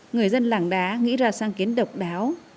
người dân làng đá nghĩ ra sáng kiến độc đáo